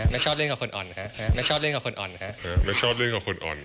ไม่ชอบเล่นกับคนอ่อนค่ะ